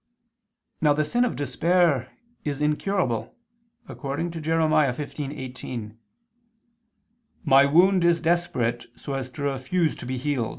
Now the sin of despair is incurable, according to Jer. 15:18: "My wound is desperate so as to refuse to be healed."